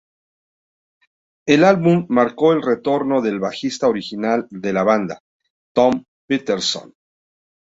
El álbum marcó el retorno del bajista original de la banda, Tom Petersson.